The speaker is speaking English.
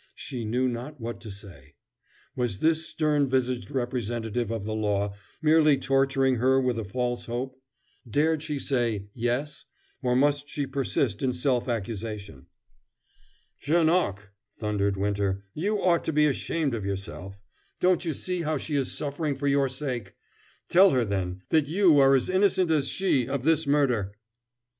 She knew not what to say. Was this stern visaged representative of the law merely torturing her with a false hope? Dared she say "Yes," or must she persist in self accusation? "Janoc," thundered Winter, "you ought to be ashamed of yourself. Don't you see how she is suffering for your sake? Tell her, then, that you are as innocent as she of this murder?"